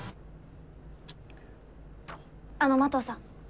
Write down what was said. あの麻藤さん。